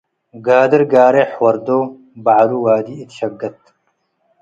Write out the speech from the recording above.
ጋድር ጋርሕ ወርዶ በዐሉ ዋዲ እት ሽገት